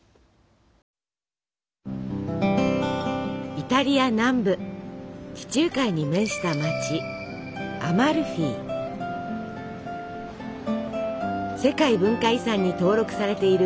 イタリア南部地中海に面した街世界文化遺産に登録されている